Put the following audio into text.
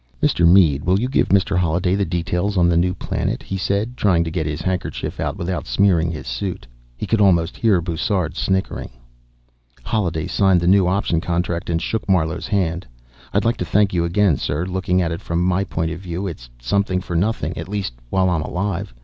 "Mr. Mead, will you give Mr. Holliday the details on the new planet?" he said, trying to get his handkerchief out without smearing his suit. He could almost hear Bussard snickering. Holliday signed the new option contract and shook Marlowe's hand. "I'd like to thank you again, sir. Looking at it from my point of view, it's something for nothing at least, while I'm alive.